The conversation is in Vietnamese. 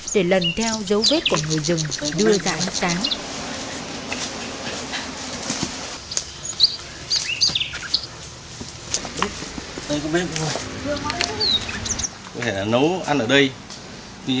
để lần theo dấu vết của người rừng đưa ra ánh sáng